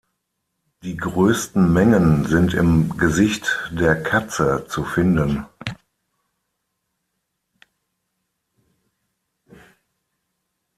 Die größten Mengen sind im Gesicht der Katze zu finden.